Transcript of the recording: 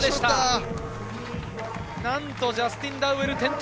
なんとジャスティン・ダウエル転倒。